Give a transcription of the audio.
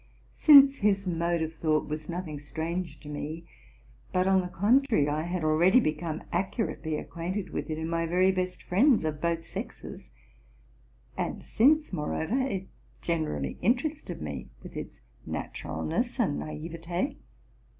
Since his mode of thought was nothing strange to me, but on the contrary I had already become accurately acquainted with it in my very best friends of both sexes; and since, moreover, it generally interested me with its naturalness and naiveté.